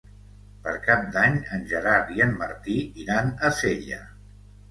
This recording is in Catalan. Per Cap d'Any en Gerard i en Martí iran a Sella.